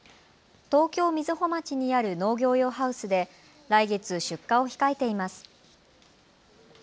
東京瑞穂町にある農業用ハウスで来月、出荷を控えています。